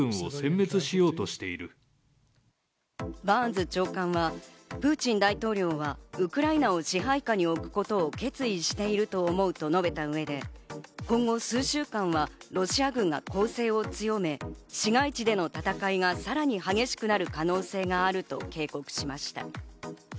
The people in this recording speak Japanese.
バーンズ長官は、プーチン大統領はウクライナを支配下に置くことを決意していると思うと述べた上で、今後、数週間はロシア軍が攻勢を強め、市街地での戦いがさらに激しくなる可能性があると警告しました。